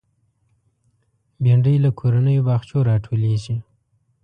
بېنډۍ له کورنیو باغچو راټولېږي